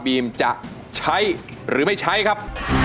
จะใช้หรือไม่ใช้ครับ